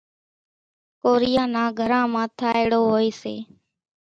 ڪورِيان نان گھران مان ٿائيڙو هوئيَ سي۔